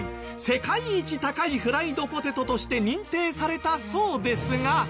世界一高いフライドポテトとして認定されたそうですが。